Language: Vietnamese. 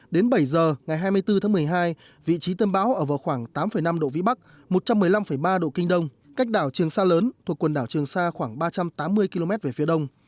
đến bảy giờ ngày hai mươi bốn tháng một mươi hai vị trí tâm bão ở vào khoảng tám năm độ vĩ bắc một trăm một mươi năm ba độ kinh đông cách đảo trường sa lớn thuộc quần đảo trường sa khoảng ba trăm tám mươi km về phía đông